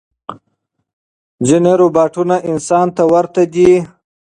ځینې روباټونه انسان ته ورته دي.